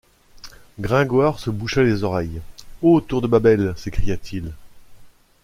Gringoire se boucha les oreilles. — Ô tour de Babel! s’écria-t-il.